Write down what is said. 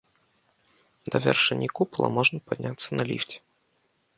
Да вяршыні купала можна падняцца на ліфце.